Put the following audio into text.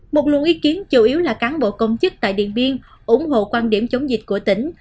một luồng ý kiến chủ yếu là cán bộ công chức tại điện biên ủng hộ quan điểm chống dịch của tỉnh